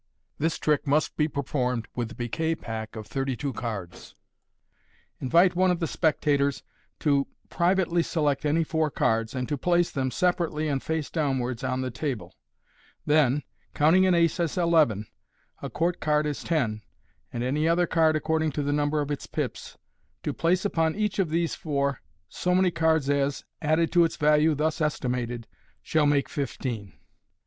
— This trick must be performed with the piquet pack of thirty two cards. Invite one of the spectators to privately select any four cards, and to place them, separately and face down wards, on the table; then, counting an ace as eleven, a court card as ten, and any other card according to the number of its pips, to place upon each of these four so many cards as, added to its value thus esti mated, shall make fifteen.